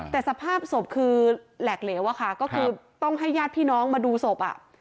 แต่สภาพศพคือแหลกเหลวอะค่ะก็คือต้องให้ญาติพี่น้องมาดูศพ